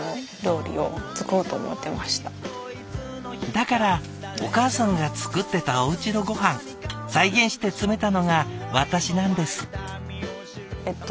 「だからお母さんが作ってたおうちのごはん再現して詰めたのが私なんです」。